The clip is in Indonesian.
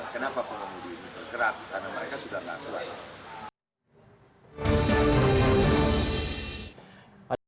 kenapa pengemudi ini bergerak karena mereka sudah laku laku